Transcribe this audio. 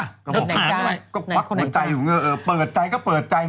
ก็พักหัวใจอยู่เปิดใจก็เปิดใจ